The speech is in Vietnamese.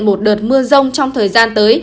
một đợt mưa rông trong thời gian tới